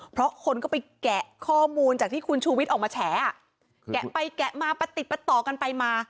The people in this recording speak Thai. เพราะคนก็ไปแกะข้อมูลจากที่คุณชูวิทย์ออกมาแฉอ่ะแกะไปแกะมาประติดประต่อกันไปมา